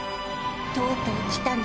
とうとう来たね